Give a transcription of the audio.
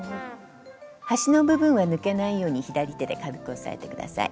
端の部分は抜けないように左手で軽く押さえて下さい。